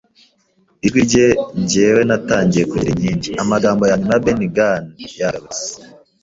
ijwi rye. Njyewe, natangiye kugira inkingi. Amagambo ya nyuma ya Ben Gunn yagarutse